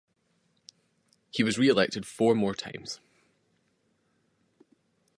He was reelected four more times.